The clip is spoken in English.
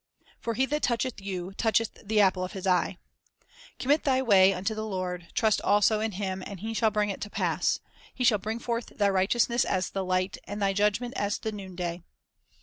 "For he that toucheth you toucheth the apple of His eye." 1 "Commit thy way unto the Lord; trust also in Him; and He shall bring it to pass. ... He shall bring forth thy righteousness as the light, and thy judgment as the noonday.""